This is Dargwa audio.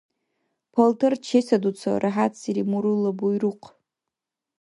- Палтар чесадуца, - рахӀятсири мурулла буйрухъ.